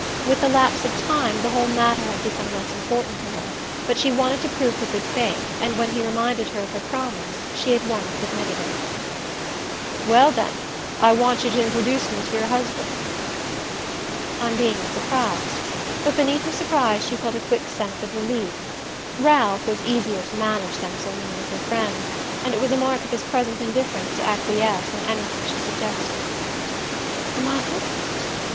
With the lapse of time the whole matter had become less important to her, but she wanted to prove her good faith, and when he reminded her of her promise she at once admitted it. "Well, then I want you to introduce me to your husband." Undine was surprised; but beneath her surprise she felt a quick sense of relief. Ralph was easier to manage than so many of her friends and it was a mark of his present indifference to acquiesce in anything she suggested. "My husband?